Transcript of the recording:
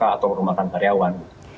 atau perumahan karyawan